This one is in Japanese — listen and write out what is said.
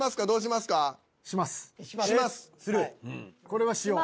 これはしよう。